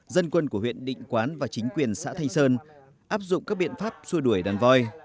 dân quân của huyện định quán và chính quyền xã thanh sơn áp dụng các biện pháp xua đuổi đàn voi